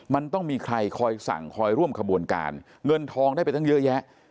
มันต้องมีใครคอยสั่งคอยร่วมขบวนการเงินทองได้ไปตั้งเยอะแยะ